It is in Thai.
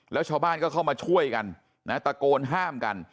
แล้วชาวบ้านก็เข้ามาช่วยกันนะตะโกนห้ามกัน